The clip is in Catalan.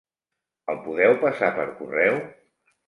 Me'l podeu passar per correu?